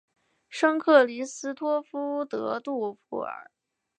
圣克里斯托夫德杜布尔。